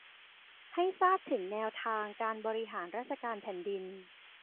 ให้ทราบถึงแนวทางการบริหารราชการแผ่นดิน